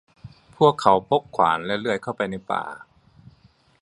พวกเขาพกขวานและเลื่อยเข้าไปในป่า